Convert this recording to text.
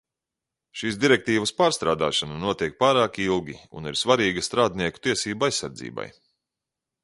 Šīs direktīvas pārstrādāšana notiek pārāk ilgi un ir svarīga strādnieku tiesību aizsardzībai.